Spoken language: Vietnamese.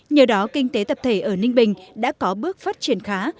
nhờ đó kinh tế tập thể ở ninh bình đã có bước phát triển khá